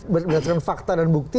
berdasarkan fakta dan bukti